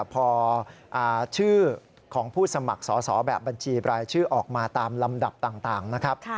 พอชื่อของผู้สมัครสอสอแบบบัญชีบรายชื่อออกมาตามลำดับต่างนะครับ